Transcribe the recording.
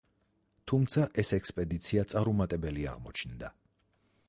თუმცა ეს ექსპედიცია წარუმატებელი აღმოჩნდა.